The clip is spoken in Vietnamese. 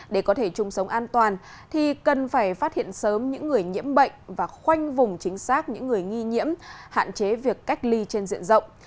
để có thể chung sống an toàn thì cần phải phát hiện sớm những người nhiễm bệnh và khoanh vùng chính xác những người nghi nhiễm hạn chế việc cách ly trên diện rộng